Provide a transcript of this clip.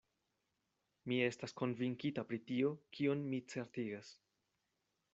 Mi estas konvinkita pri tio, kion mi certigas.